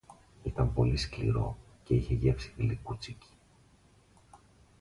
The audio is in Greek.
Ήταν πολύ σκληρό και είχε γεύση γλυκούτσικη.